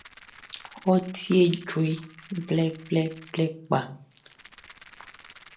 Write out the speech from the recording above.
Ɔ tie djue blɛblɛblɛ kpa.